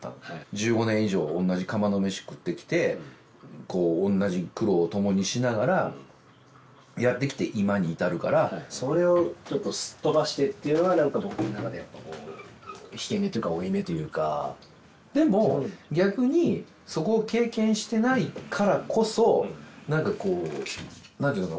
１５年以上おんなじ釜の飯食ってきてこうおんなじ苦労を共にしながらやってきて今に至るからそれをちょっとすっ飛ばしてっていうのが何か僕の中でやっぱこう引け目というか負い目というかでも逆にそこを経験してないからこそ何かこう何て言うのかな